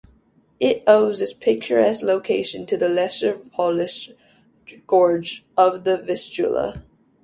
It owes its picturesque location to the Lesser Polish Gorge of the Vistula.